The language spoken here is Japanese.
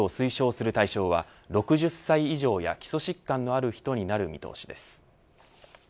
接種を推奨する対象は６０歳以上や基礎疾患のある人になる見通しです。